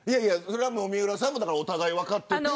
水卜さんもお互いに分かってるし。